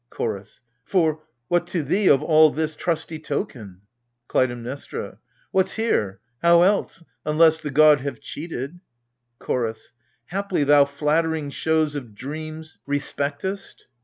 CHORDS. For — what to thee, of all this, trusty token? KLUTAIMNESTRA. What's here ! how else ? unless the god have cheated CHORDS. Haply thou flattering shows of dreams respectest?